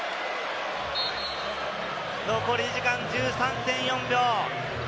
残り時間１３．４秒。